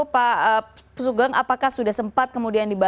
sudah sekali diperkahkan kami dan se pablo markas nanti kita mp tiga